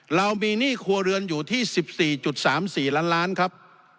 เรามีหนี้ครัวเรือนอยู่ที่๑๔๓๔ล้านล้านครับ